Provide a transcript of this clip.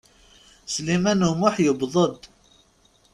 Sliman U Muḥ yewweḍ-d.